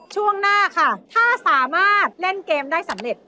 ช่วงหน้าค่ะถ้าสามารถเล่นเกมได้สำเร็จ